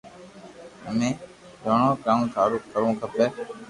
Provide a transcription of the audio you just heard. امي جوئو ڪاو ٿارو ڪروو کپي